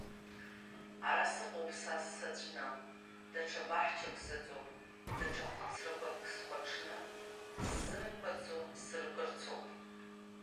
Ара сыҟоуп са саӡәны, даҽа баҳчак сыҵоуп, даҽа хәыцрақәак схәаҽны, сзымқәацо сыркырцоуп.